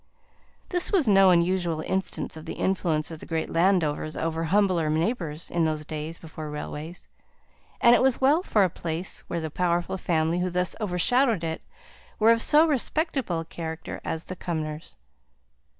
This was no unusual instance of the influence of the great land owners over humbler neighbours in those days before railways, and it was well for a place where the powerful family, who thus overshadowed it, were of so respectable a character as the Cumnors.